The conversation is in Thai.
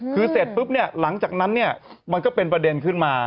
คือเสร็จปุ๊บเนี่ยหลังจากนั้นเนี่ยมันก็เป็นประเด็นขึ้นมา